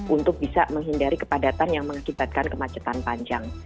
untuk bisa menghindari kepadatan yang mengakibatkan kemacetan panjang